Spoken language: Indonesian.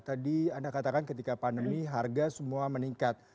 tadi anda katakan ketika pandemi harga semua meningkat